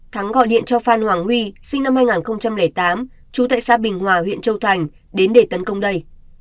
thắng gọi điện cho phan hoàng huy sinh năm hai nghìn tám trú tại xã bình hòa huyện châu thành đến để tấn công đây